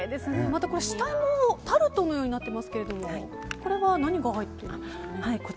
また、下もタルトのようになってますけどもこれは何が入っているんですか。